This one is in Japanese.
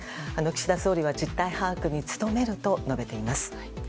岸田総理は実態把握に努めると述べています。